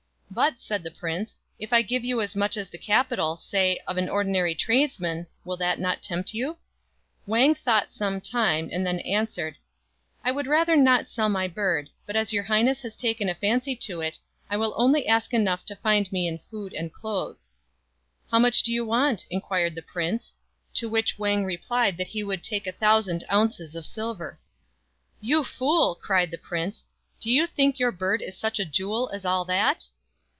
"But," said the prince, "if I give you as much as the capital, say of an ordinary tradesman, will not that tempt you?" Wang thought some time, and then answered, " I would rather not sell my bird ; but as your highness has taken a fancy to it I will only ask enough to find me in food and clothes." 74 STRANGE STORIES " How much do you want ?" inquired the prince ; to which Wang replied that he would take a thousand ounces of silver. " You fool !" cried the Prince ;" do you think your bird is such a jewel as all that?"